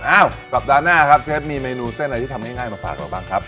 สัปดาห์หน้าครับเชฟมีเมนูเส้นอะไรที่ทำง่ายมาฝากเราบ้างครับ